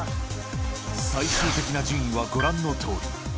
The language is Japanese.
最終的な順位はご覧のとおり。